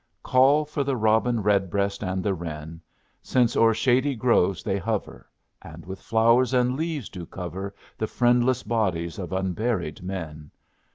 "Call for the robin redbreast and the wren, Since o'er shady groves they hover, And with flowers and leaves do cover The friendless bodies of unburied men.